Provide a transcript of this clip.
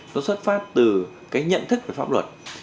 nó xuất phát từ cái nhận thức về pháp luật